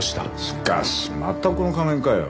しかしまたこの仮面かよ。